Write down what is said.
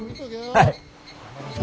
はい。